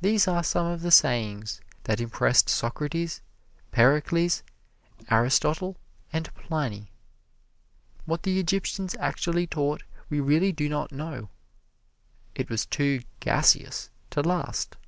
These are some of the sayings that impressed Socrates, Pericles, Aristotle and Pliny. What the Egyptians actually taught we really do not know it was too gaseous to last.